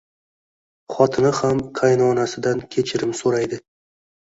Xotini ham qaynonasidan kechirim so`raydi